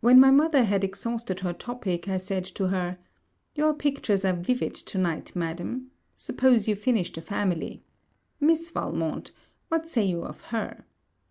When my mother had exhausted her topic, I said to her, 'Your pictures are vivid to night, madam. Suppose you finish the family. Miss Valmont, what say you of her?'